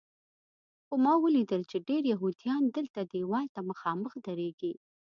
خو ما ولیدل چې ډېر یهودیان دلته دیوال ته مخامخ درېږي.